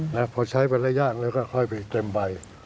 เนื่องพอใช้ไปแล้วยางแล้วค่อยไปเต็มใบ